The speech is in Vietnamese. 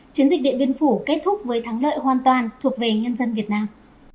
chiến dịch điện biên phủ kết thúc với thắng lợi hoàn toàn thuộc về nhân dân việt nam